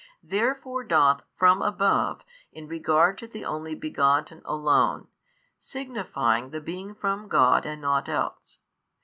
Therefore doth from above in regard to the Only Begotten Alone, |585 signify the being from God and nought else.